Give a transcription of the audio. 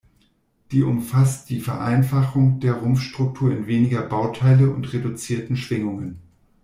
Die umfasst die Vereinfachung der Rumpfstruktur in weniger Bauteile und reduzierten Schwingungen.